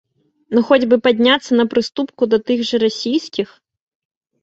Ну хоць бы падняцца на прыступку да тых жа расійскіх?